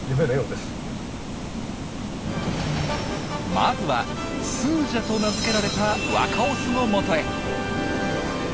まずはスージャと名付けられた若オスのもとへ。